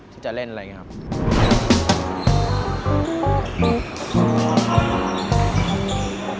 ที่จะเล่นอะไรอย่างนี้ครับ